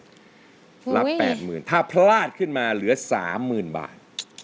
คุณวิทย์รับ๘๐๐๐๐บาทถ้าพลาดขึ้นมาเหลือ๓๐๐๐๐บาท